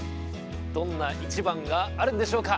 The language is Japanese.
どんなイチバンがあるんでしょうか。